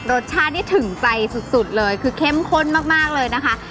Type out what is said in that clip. รสชาตินี่ถึงใจสุดเลยคือเข้มข้นมากเลยนะคะ